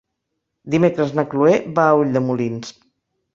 Dimecres na Cloè va a Ulldemolins.